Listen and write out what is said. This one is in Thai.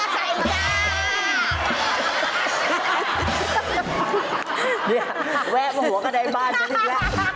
เดี๋ยวแวะมาหัวกระดายบ้านกันอีกแล้ว